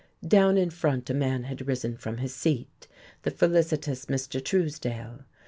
Down in front a man had risen from his seat the felicitous Mr. Truesdale.